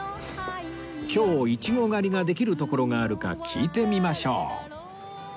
今日イチゴ狩りができる所があるか聞いてみましょう